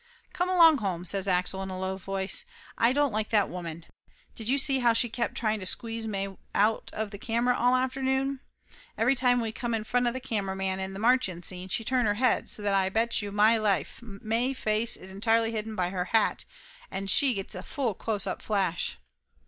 "Come along home," says Axel in a low voice. "Aye don't like that woman. Did you see how she kept tryin' to squeeze may out of the camera all afternoon? Every time we come in front of tha camera in tha marching scene, she turn her head, so that Aye betchew Laughter Limited 137 may life, may face is entirely hidden by her hat and she gets a full close up flash